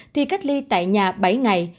thì cách ly tại nhà bảy ngày